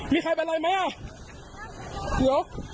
มีใครเป็นไรไหม